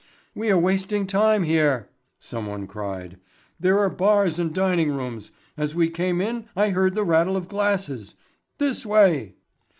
"We are wasting time here," someone cried. "There are bars and dining rooms. As we came in I heard the rattle of glasses. This way."